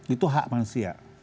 itu hak manusia